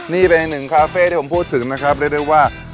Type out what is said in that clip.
นี่เป็นอีกหนึ่งคาเฟ่ที่ผมพูดถึงนะครับเรียกได้ว่า